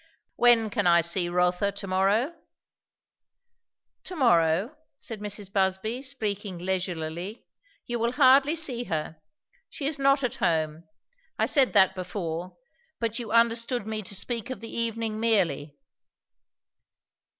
"When can I see Rotha to morrow?" "To morrow," said Mrs. Busby, speaking leisurely, "you will hardly see her. She is not at home. I said that before, but you understood me to speak of the evening merely."